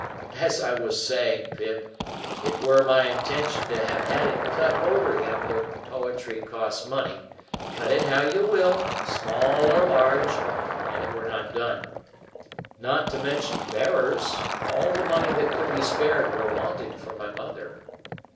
As I was saying, Pip, it were my intentions to have had it cut over him; but poetry costs money, cut it how you will, small or large, and it were not done. Not to mention bearers, all the money that could be spared were wanted for my mother.